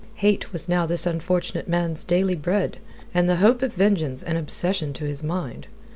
Hate was now this unfortunate man's daily bread, and the hope of vengeance an obsession to his mind.